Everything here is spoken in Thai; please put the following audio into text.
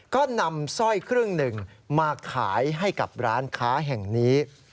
ก็นำสร้อยครึ่งหนึ่งมาขายให้กับร้านค้าแห่งนี้